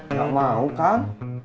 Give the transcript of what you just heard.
nggak mau kan